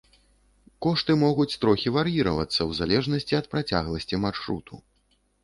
Кошты могуць трохі вар'іравацца ў залежнасці ад працягласці маршруту.